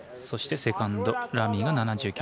そして、セカンドラミーが７９％。